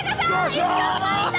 １億ポイント！